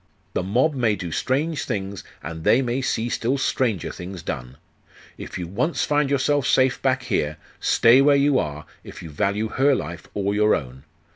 The mob may do strange things, and they may see still stranger things done. If you once find yourself safe back here, stay where you are, if you value her life or your own.